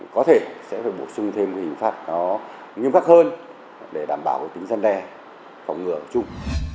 có thể sẽ phải bổ sung thêm hình phạt nó nghiêm khắc hơn để đảm bảo tính gian đe phòng ngừa ở chung